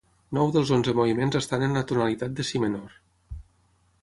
Nou dels onze moviments estan en la tonalitat de si menor.